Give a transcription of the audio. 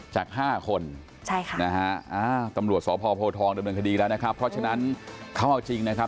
จาก๕คนตำรวจสพโพทองดำเนินคดีแล้วนะครับเพราะฉะนั้นเขาเอาจริงนะครับ